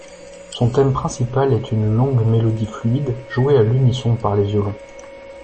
Son thème principal est une longue mélodie fluide jouée à l'unisson par les violons.